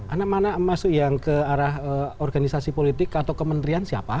anak anak yang masuk ke arah organisasi politik atau kementerian siapa